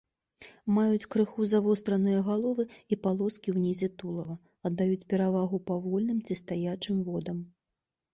Маюць крыху завостраныя галовы і палоскі ўнізе тулава, аддаюць перавагу павольным ці стаячым водам.